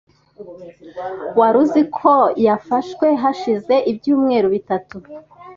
Wari uziko yafashwe hashize ibyumweru bitatu?